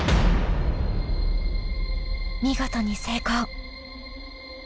見事に成功。